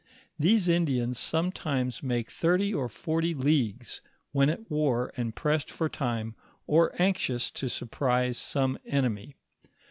These Indians sometimes make thirty or forty leagues, when at war and pressed for time, or anxious to surprise some enemy.